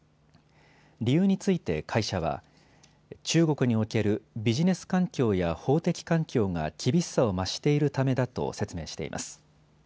理由について会社は中国におけるビジネス環境や法的環境が厳しさを増しているためだと説明しています。